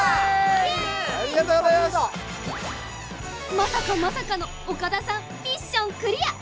まさかまさかの岡田さんミッションクリア。